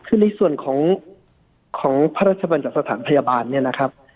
คือในส่วนของของพระราชบัญญัติสถานพยาบาลเนี่ยนะครับ